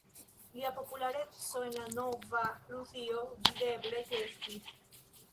Lia populareco en la nova Rusio videble kreskis.